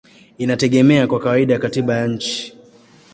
inategemea kwa kawaida katiba ya nchi.